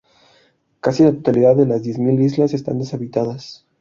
Casi la totalidad de las Diez Mil Islas están deshabitadas.